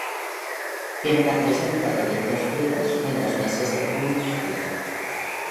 Tiene una presencia de vientos fríos en los meses de junio y julio.